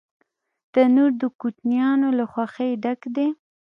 تنور د کوچنیانو له خوښۍ ډک دی